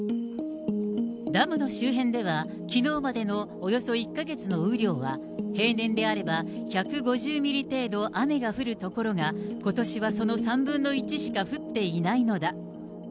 ダムの周辺ではきのうまでのおよそ１か月の雨量は、平年であれば１５０ミリ程度雨が降るところが、ことしはその３分の１しか降っていないのだ。